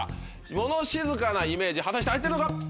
物静かなイメージ果たして入ってるのか？